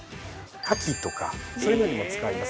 牡蠣とかそういうのにも使います。